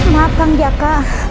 maaf kang jaka